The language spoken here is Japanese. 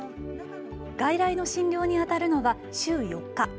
外来の診療にあたるのは週４日。